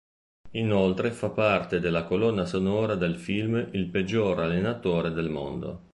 Inoltre fa parte della colonna sonora del film "Il peggior allenatore del mondo".